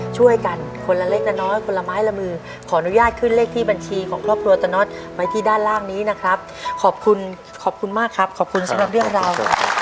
ช่วยกันคนละเล็กละน้อยคนละไม้ละมือขออนุญาตขึ้นเลขที่บัญชีของครอบครัวตะน็อตไว้ที่ด้านล่างนี้นะครับขอบคุณขอบคุณมากครับขอบคุณสำหรับเรื่องราว